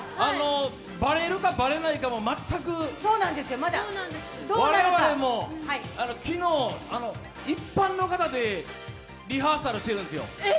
バレるかバレないかも全く、我々も昨日、一般の方でリハーサルしてるんですよ。